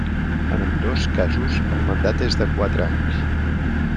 En ambdós casos, el mandat és de quatre anys.